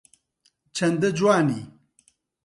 چەندە جوانی